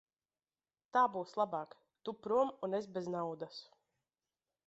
Tā būs labāk; tu prom un es bez naudas.